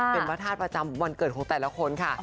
เป็นพระธาตุประจำวันเกิดของแต่ละคนค่ะ